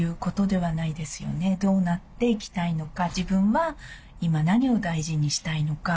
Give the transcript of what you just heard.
どうなっていきたいのか自分は今何を大事にしたいのか。